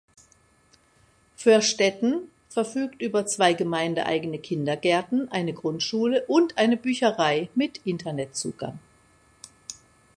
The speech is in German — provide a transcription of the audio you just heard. Vörstetten verfügt über zwei gemeindeeigene Kindergärten, eine Grundschule und eine Bücherei mit Internetzugang.